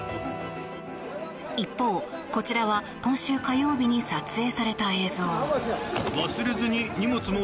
一方、こちらは今週火曜日に撮影された映像。